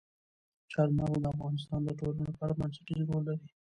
چار مغز د افغانستان د ټولنې لپاره بنسټيز رول لري.